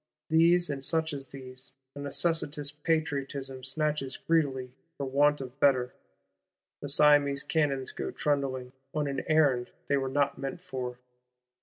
These, and such as these, a necessitous Patriotism snatches greedily, for want of better. The Siamese cannons go trundling, on an errand they were not meant for.